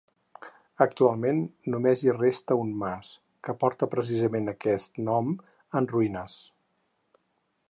Actualment només hi resta un mas, que porta precisament amb aquest nom, en ruïnes.